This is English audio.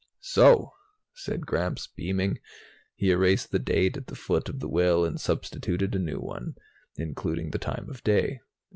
"So!" said Gramps, beaming. He erased the date at the foot of the will and substituted a new one, including the time of day.